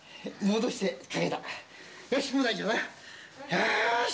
よし。